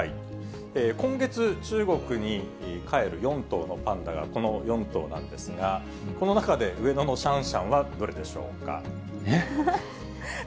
今月、中国に帰る４頭のパンダがこの４頭なんですが、この中で上野のシャンシャンはどれでしょうか。